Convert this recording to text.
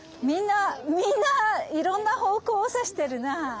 みんないろんな方向を指してるなぁ。